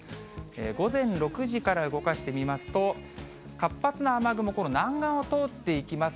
午前６時から動かしてみますと、活発な雨雲、この南岸を通っていきます。